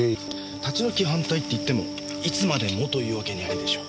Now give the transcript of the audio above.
立ち退き反対っていってもいつまでもというわけにはいかないでしょう。